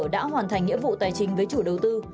đã hoàn thành nghĩa vụ tài chính với chủ đầu tư